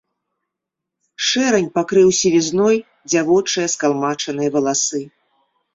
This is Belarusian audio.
Шэрань пакрыў сівізной дзявочыя скалмачаныя валасы.